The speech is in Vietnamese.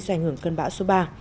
do ảnh hưởng cơn bão số ba